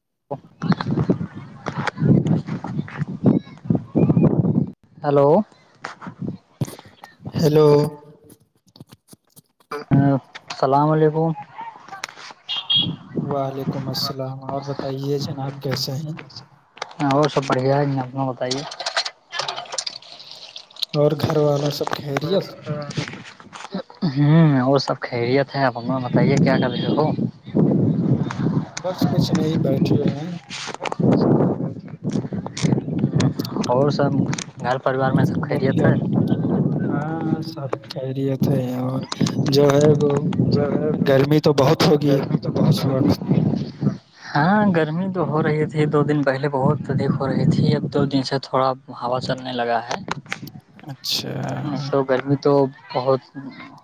[unintelligible] Hello hello ہ السلام علیکم وعلیکم السلام اور بتائیے جناب کیسے ہیں ہاں اور سب بڑھیا ہے اپنا بتائیے اور گھر والوں سب اور خیریت ہاں ہوں وہ سب خیریت ہے آپ اا بتائیے کیا کرے ہو بس کچھ نہیں بیٹھے ہیں اور سب گھر پریوار میں سب خیریت ہے ہاں سب کہرییے تھے اور جو ہے وہ گرمی تو بہت کھگے ہاں گرمی تو ہو رہی تھی دو دن پہلے بہت ادھک ہو رہی تھی اب دو دن سے تھوڑا ہوا چلنے لگا ہے اچھا اشا گرمی تو بہت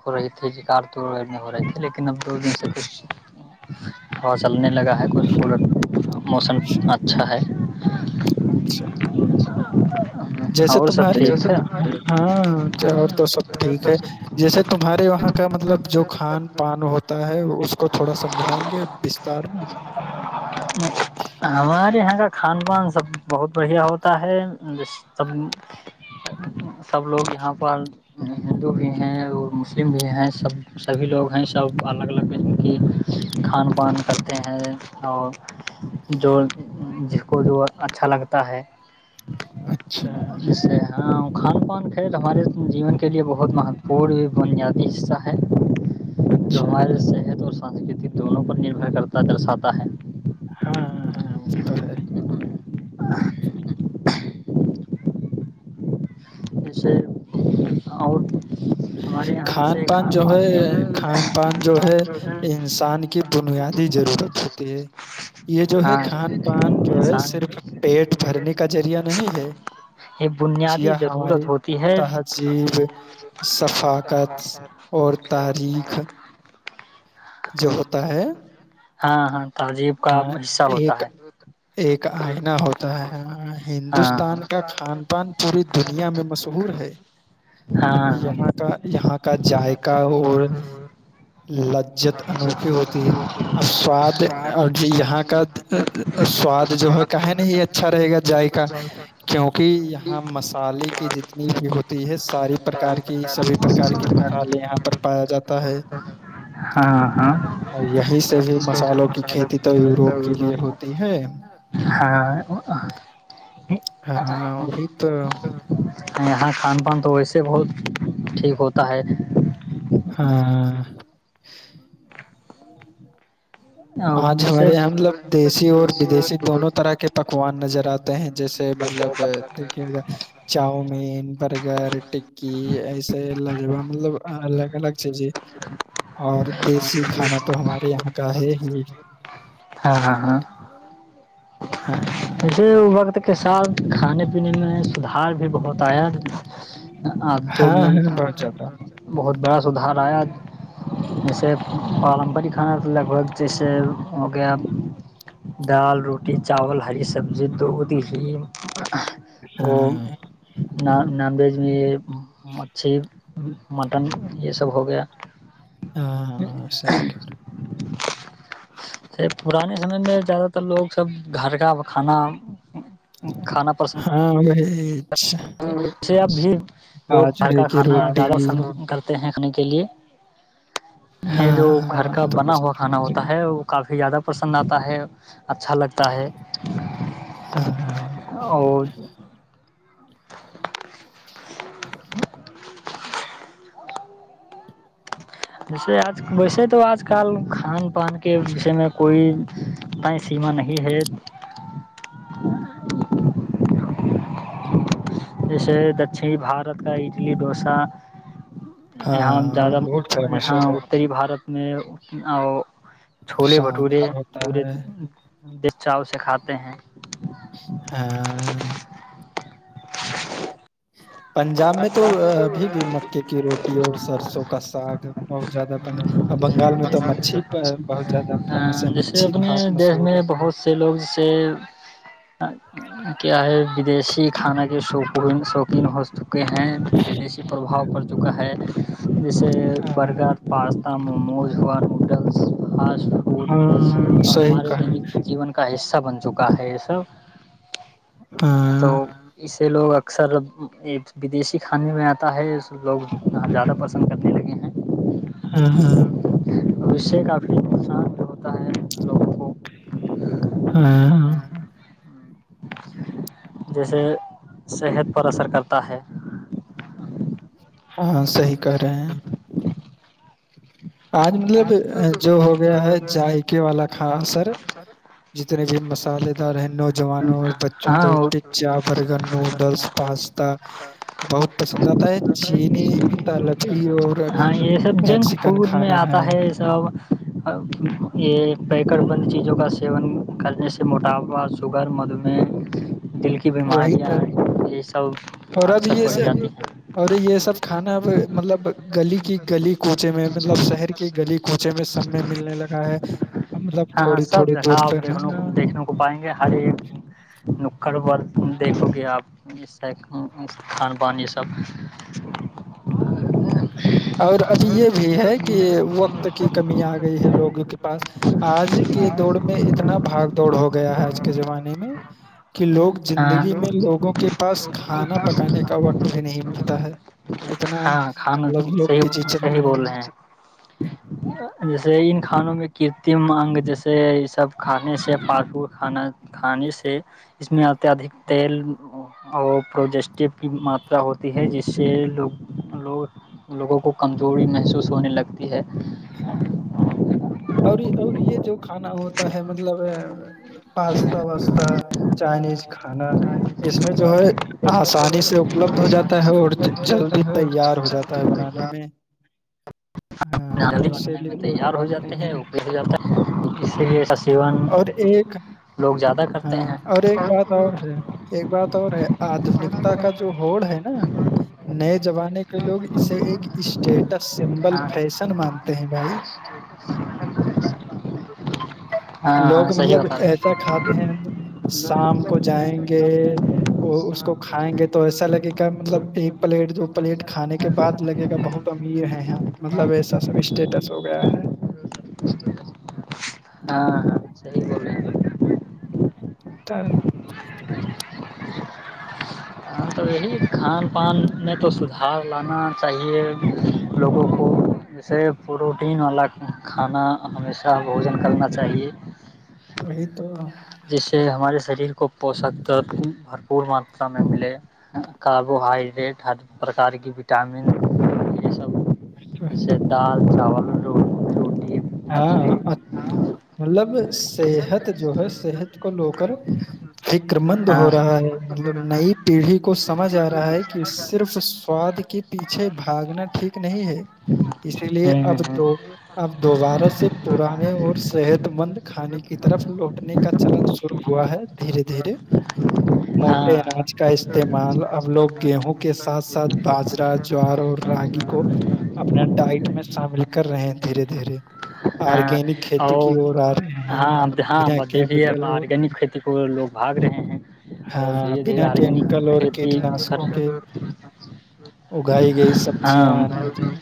ہو رہی تھی جکار تو ہو رہی تھے لیکن اب دو دن سے کچھ ہاں چلنے لگا ہے کچھٹ موسم اچھا ہے [unintelligible] اچھا جیسے اور سب تمہارے ٹھیک ہے ہاں اور تو سب ٹھیک ہے جیسے تمہارے وہاں کا مطلب جو کھان پان ہوتا ہے اس کو تھوڑا سمجھائیں گے بستار میں خھان پان سب بہت بڑھیا ہوت تا ہے سب سب لوگ یہاں پر ہندو بھی ہیں اور مسلم بھی ہیں سب سبھی لوگ ہیں سب الگ الگ قسم کی کھان پان کرتے ہیں اور جو جس کو جو اچھا لگتا ہے اچھا جسے ہاں کھان پان کھیل ہمارے جیون کے لیے بہت مہتوپورن بنیادی حصہ ہے جو اچھا ہمارے صحت اور سنسکرتی دونوں پر نربھر کرتا درشاتا ہے ہاں ہاں ہاں م تو سر [unintelligible] جسے اور ہمارے یہاں کھان سے پان جو ہے کھان پان جو ہے انسان کی بنیادی ضرورت ہوتی ہے یہ جو ہے ہاں کھان پان جو ہے انسان کی صرف پیٹ بھرنے کا ذریعہ نہیں ہے یہ بنیادی ہماریے ضرورت ہوتی ہے تہذیب ثفاقت اور تاریخ جو ہوتا ہے ہاں ہاں تازی ہاں ایک ایک آئنا ہوتا ہےاں ہاں ہندوستان کا خھان پان پوری دنیا میں مشہور ہے ہاں یہاں کا یہاں کا ذائقہ اور لججت انوکھے دی سواد اور یہاں کا سواد جو ہے کہے نہیں اچھا رہے گا جائے کا کیوںکہ یہاں مسالے کی جتنی بھی ہوتی ہے ساری پرکار کی سبھی پرکار کے مسالے یہاں پر پایا جاتا ہے ہاں ہاں اور یہیں سے بھی مسالوں کی کھیتی تو یوروپ کے لیے ہوتی ہے ہاں ہاں ا بھی تو یہاں کھان پان تو ویسے بہت ٹھیک ہوتا ہے ہاں [inaudible] آج سے ہمارے یہاں مطلب دیسی اور ودیسیی دونوں طرح کے پکوان نظر آتے ہیں جیسے مطلب دیکھیے گا چاؤمین برگر ٹکی ایسے لہ جبا مطلب لیکا لگ سے جی اور دیسی کھانا تو ہمارے یہاں کا ہے ہی ہاں ہاں ہاں ہاں ویسے وقت کے ساتھ کھانے پینے میں سدھار بھی بہت آیا آب تو ہاں میں ہاں بہت زیادہ بہت بڑا سدھار آیا جیسے پارمپرک کھانا تو لگ بھگ جیسے ہو گیا دال روٹی روٹی چاول ہری سبزی دودھ نم ہاں ن نان ویج میں یہ مچھی مٹن یہ سب ہو گیا ہاں ہاں صحی کر رہ پرانے سمے میں زیادہ تر لوگ سب گھر کا کھانا ہاں ا جی اسے اب بھی لوگ گھر باجرے کا کی کھانا روٹی زیادہ پسند کرتے ہیں رکھنے کے لیے یہ جو ہاں گھر ہاں کا تو بنا پسند ہوا کھانا کرنے ہوتا لگے ہے وہ کافی زیادہ پسند آتا ہے اچھا لگتا ہے ہاں ہاں اور ا جیسے آج ویسے تو آج کل کھان پان کے وشے میں کوئی سیم نہیں ہے جیسے دکنی بھارت کا اڈلی ڈوسا یہاں ہاں وہ بہت فیمس ہے زیادہاں اتری بھارت اپنے اور چھوولے شام بھٹورے بھر ہوتا پورے ہے بچا اسے کھاتے ہیں ہاں پنجاب میں تو آ، ابھی بھی مکے کی روٹی اور سرسوں کا ساگ بہت زیادہ بنگ اور بنگال میں تو مچھی پ- بہت زیادہ فیمس ہے جیسے مچھی اپنے بھات دیش مشہور ہے میں بہت سے لوگ جیسے کیا ہے ودیشی کھانا کے شوپ کون شوقین ہست چکے ہیں ودیشی پرباؤ پڑ چکا ہے جیسے ہاں برگر پاستا م موجوا نوڈلس فاسٹ فوڈ ہاں صحیح ہمارے کہا دینک جیون کا حصہ اچھا بن چکا ہے یہ سب تو ہاں اس سے لوگ اکثر ودیشی کھانے میں آتا ہے لوگاں زیادہ پسند کرتے لگے ہیں ہاں ہاں اس سے کافی نقصان بھی ہوتا ہے لوگوں کو ہاں ہاں جیسے صحت پر اثر کرتا تا ہے ہاں صحیح کہہ رہے ہیں ج آج مطلب جو ہو گیا ہے جذائقے والا کھا سر جتنے بھی مسالے دار ہیں نوجوانوں اور بچوں ہاں کو اور پزا برگر نوڈلس پاستا بہت پسند آتا ہے چینیطالبی اور ہاں یہ سب میک جنک فوڈ میں آتا ہے یہ سب یہ پیک چکر بند چیزوں کا سیون کرنے سے موٹاپا شوگر مدوم وہی تھا سب اور اب اکثر یہ بڑھ س جاتی ہیں اور یہ سب کھانا اب مطلب گلی کی گلی کوچ میں مطلب شہر کی گلی کوچے میں سب میں ملنے لگا ہے مطلب ہاں ہاں تھوڑی سب تھوڑی دور جگہ پہ آپ رہ دیکھ گ دیکھنے کو پائیں گے ہر ایک نکڑ پر دیکھو کہ آپ اس کھان پان یہ سب اور اب یہ بھی ہے کہ وقت کی کمی آ گئی ہے لوگوں کے پاس آج کے دور میں اتنا بھاگ دوڑ ہو گیا ہے آج کے زمانے میں کہ لوگ کہ زندگی میں لوگوں کے پاس کھانا پکانے کا وقت بھی نہیں ملتا ہے اتنا ہاں کھانا لوگ صحیح بزی چل صحیح بول ہیں رہے ہیں جیسے ان کھانوں میں کرتم اگ جیسے سب کھانے سے ف کھانے سے اس میں آ اتیہدھک تیل اور پروجسٹیو کی ماترا ہوتی ہے جس سے لوگ لوگ لوگوں کو کمزوری محسوس ہونے لگتی ہے ہاں اور اور یہ جو کھانا ہوتا ہے مطلب پستا وازتا چائنیز کھانا اس میں جو ہے آسانی سے اپلبدھ ہو جاتا ہے اور جلدی تیار ہو جاتا ہے بنانے میں ہاں اسی بنے میں لیے لوگ تیار ہو کھاتے جاتے ہیں وہ پ ہو جاتا ہے اس لیے ایسا سیون اور ایک لوگ زیادہ کرتے ہاں ہیں اور ایک بات اور ہے ایک بات اور ہے آدنکتا کا جو ہوڑ ہے نا نئے زمانے کے لوگ اسے ایک اسٹیٹس سمبل ہاں فیشن مانتے ہیں بھائی ہاں ہاں لوگ صحیح مطلب بتا رہے ایسا کھاتے ہیں شام کو جائیں گے اور اس کو کھائیں گے تو ایسا لگے گا مطلب ایک پلیٹ دو پلیٹ کھانے کے بعد لگے گا بہت امیر ہیں ہم مطلب ایسا سب اسٹیٹس ہو گیا ہے ہاں ہاں صحی بولے تر چچچ ہم تو یہی کھان پان میں تو سدھار لانا چاہیے لوگوں کو جیسے پروٹین والا کھانا ہمیشہ بوجن کرنا چاہیے وہی تو وہی جس سے ہمارے شریر کو پوشک درد بھرپور ماترا میں ملے کاربوہائڈریٹ ہر پرکار کی وٹامن یہ سب تو ہے جیسے دال چاول ہو ہاں مطلب [unintelligible] صحت جو ہے صحت کو لو کر فکر مند ہاں ہو رہا ہے مطلب نئی پیڑھی کو سمجھ آ رہا ہے کہ صرف سواد کے پیچھے بھاگنا ٹھیک نہیں ہے اسی لیے ہوں اب ہوں دو اب دوبارہ سے پرانے اور صحت مند کھانے کی طرف لوٹنے کا چلن شروع ہوا ہے دھیرے دھیرے موٹے ہاں اناج کا استعمال اب لوگ گیہوں کے ساتھ ساتھ باجرا جوار اور راگی کو اپنا ڈائٹ میں شامل کر رہے پھر [unintelligible] درے [unintelligible] ہاں اور رہے ہیں ہاں بنا ہاں دیکھیے کیمیکل اور آرگینک کھیتی کو لوگ بھگ رہے ہیں اور ہاں دھیرے دھیرے بنا کیمیکل آرگینک اور کھیتی کر کیٹناشکوں کے اگائی گئی ہاں سبزیاں اناج ہیں۔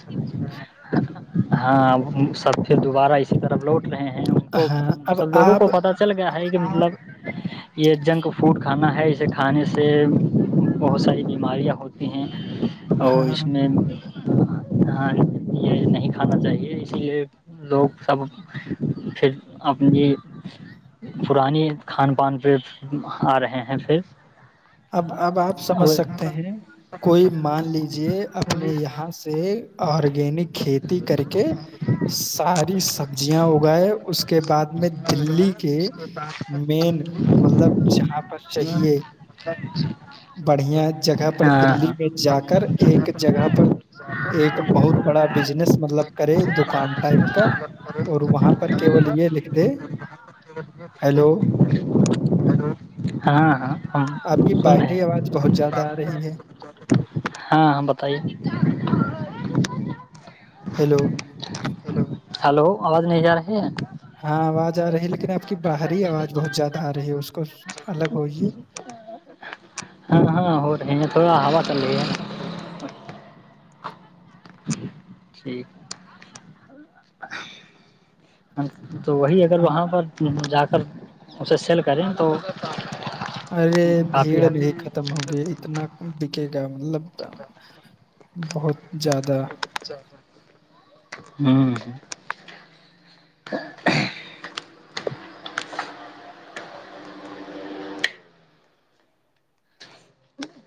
ہاں ہ سات [unintelligible] دوبارہ اسی طرف لوٹ رہے ہیں ان کو ہاں اب سب لوگوں کو آپ پتا چل گیا ہے کہ مطلب یہ جنک فوڈ کھانا ہے اسے کھانے سے بہت ساری بیماریاں ہوتی ہیں اور اس میں ہاں [unintelligible] ہاں یہ نہیں کھانا چاہیے اسی لیے لوگ سب پھر اپنی پرانی کھان پان پہ آ رہے ہیں پھر اب اب آپ سمجھ سکتے ہیں کوئی مان لیجیے اپنے یہاں سے آرگینک کھیتی کر کے سارے سبزیاں اگائے اس کے بعد میں دلی کے مین مطلب جہاں پر چاہیے بڑھیا جگہ پر ہاں دللی ہاں میں جا کر ایک جگہ پر ایک بہت بڑا بزنس مطلب کرے دکان ٹائپ کر اور وہاں پر کی وہول یہ لکھ د ہیلو ہاں ہاں ہم آپ کی سن رہے باہری آواز بہت ہیں زیادہ آ رہی ہے ہاں ہاں بتائیے ہیلو ہلو آواز نہیں جا رہی ہے ہاں آواز آ رہی ہے لیکن [unintelligible] آپ کی باہری آواز بہت زیادہ آ رہی ہے اس کو الگ ہوئیے ہاں ہاں ہو رہی ہیں تھوڑا ہوا چلی ہے ن [unintelligible] ٹھیک ہے [unintelligible] [inaudible] تو وہی اگر وہاں ہاں پر جا اب اسے سیل کریں تو ارے بھیڑ کافی حد نہیں ختم ہوگی اتنا بکے گا مطلب بہت زیادہ ہوں ہ [unintelligible] [inaudible] ج [unintelligible]